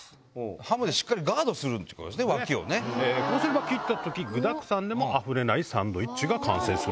ハムでしっかりガードするってことですね、こうすれば切ったとき、具だくさんでもあふれないサンドイッチが完成する。